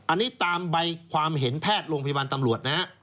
อันนี้ตามใบความเห็นแพทย์โรงพยาบาลตำรวจนะฮะ